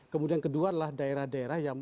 kemudian kedua adalah daerah daerah yang